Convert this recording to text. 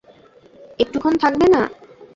একটুক্ষণ থাকবে না?